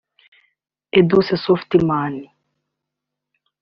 Edouce Softman